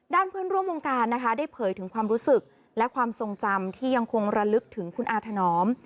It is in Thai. เพื่อนร่วมวงการนะคะได้เผยถึงความรู้สึกและความทรงจำที่ยังคงระลึกถึงคุณอาถนอม